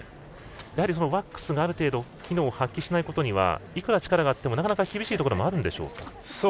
やはりワックスがある程度機能を発揮しないことにはいくら力があってもなかなか厳しいところがあるんでしょうか。